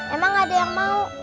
emang ada yang mau